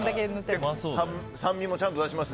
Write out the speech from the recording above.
酸味もちゃんと感じます。